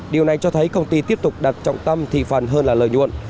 điều này cho thấy công ty tiếp tục đặt trọng tâm thị phần hơn là lợi nhuận